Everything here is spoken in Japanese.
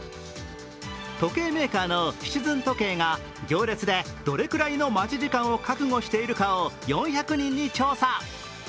時計メーカーのシチズン時計が行列でどれくらいの待ち時間を覚悟しているかを４００人に調査。